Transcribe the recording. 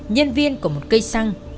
nhân viên của một cây xăng